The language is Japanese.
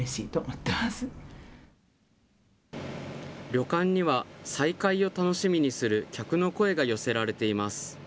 旅館には、再開を楽しみにする客の声が寄せられています。